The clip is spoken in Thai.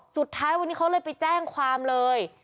สุดท้ายวันนี้เขาเลยไปแจ้งความเลย